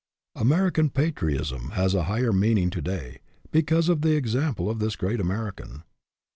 American patriotism has a higher meaning to day, because of the exam ple of this great American.